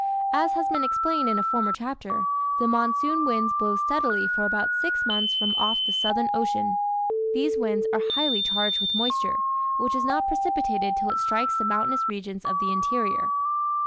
As has been explained in a former chapter, the monsoon winds blow steadily for about six months from off the southern ocean. These winds are highly charged with moisture, which is not precipitated till it strikes the mountainous regions of the interior.